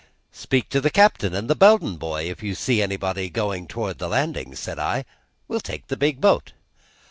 "Speak to the captain and the Bowden boy, if you see anybody going by toward the landing," said I. "We'll take the big boat."